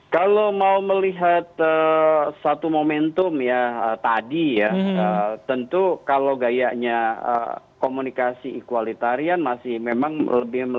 kalau mau melihat satu momentum ya tadi ya tentu kalau gayanya komunikasi ikhwalitarian masih memang lebih lekat di ganjar gitu ya